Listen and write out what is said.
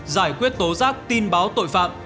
giải quyết tố giác tin báo tội phạm